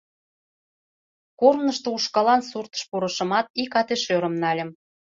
Корнышто ушкалан суртыш пурышымат, ик ате шӧрым нальым.